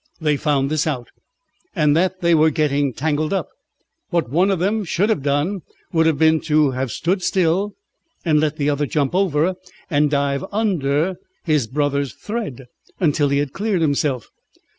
They found this out, and that they were getting tangled up. What one of them should have done would have been to have stood still and let the other jump over and dive under his brother's thread till he had cleared himself.